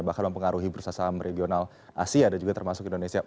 bahkan mempengaruhi bursa saham regional asia dan juga termasuk indonesia